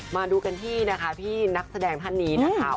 มาดูกันที่นะคะพี่นักแสดงท่านนี้นะคะ